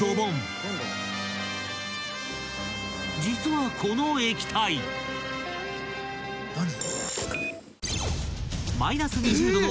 ［実はこの液体］えっ！